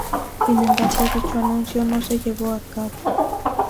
Sin embargo dicho anuncio no se llevó a cabo.